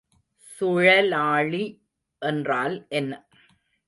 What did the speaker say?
சுழலாழி என்றால் என்ன?